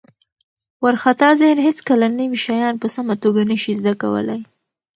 وارخطا ذهن هیڅکله نوي شیان په سمه توګه نه شي زده کولی.